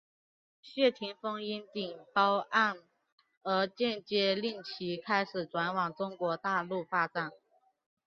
谢霆锋因顶包案而间接令其开始转往中国大陆发展。